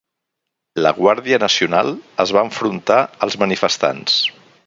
La Guàrdia Nacional es va enfrontar als manifestants.